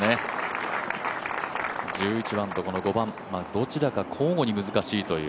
１１番と５番、どちらか交互に難しいという。